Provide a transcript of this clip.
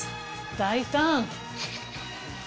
大胆！